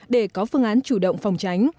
để có phương án chủ động phòng tránh